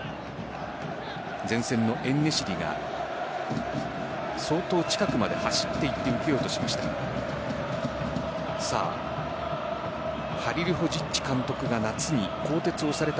前線のエンネシリが相当近くまで走って行って受けようとしました。